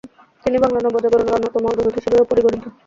তিনি বাংলার নবজাগরণের অন্যতম অগ্রদূত হিসিবেও পরিগণিত।